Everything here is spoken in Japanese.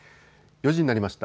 ４時になりました。